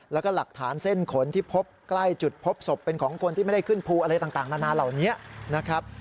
แล้วก็หลักฐานเส้นขนที่พบใกล้จุดพบศพเป็นของคนที่ไม่ได้ขึ้นภูอะไรต่างนานาเหล่านี้นะครับ